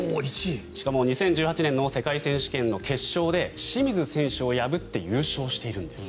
しかも２０１８年の世界選手権の決勝で清水選手を破って優勝しているんです。